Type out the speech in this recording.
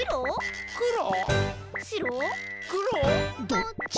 どっち？